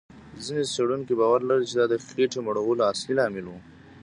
ځینې څېړونکي باور لري، چې دا د خېټې مړولو اصلي لامل و.